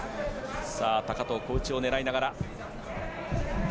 高藤、小内を狙いながら。